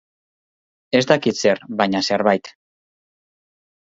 Ez dakit zer, baina zerbait.